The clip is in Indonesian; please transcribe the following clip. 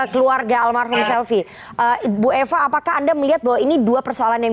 keluarga almarhum selfie ibu eva apakah anda melihat bahwa ini dua persoalan yang